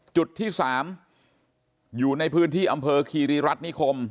จุดที่๓อยู่ในพื้นที่อำเภอคีรีรัฐนิคม